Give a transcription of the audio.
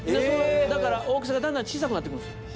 だから大きさがだんだん小さくなって行くんですよ。